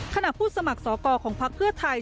ผู้สมัครสอกรของพักเพื่อไทย